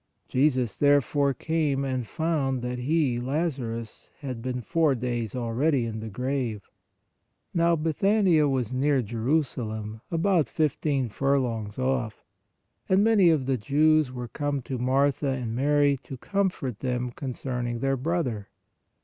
Jesus therefore came and found that he (Lazarus) had been four days already in the grave. (Now Bethania was near Jerusalem, about fifteen furlongs off.) And many of the Jews were come RESURRECTION OF LAZARUS 105 to Martha and Mary, to comfort them concerning their brother.